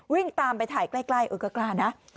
วิ่งตามไปถ่ายใกล้เออก็กล้านะ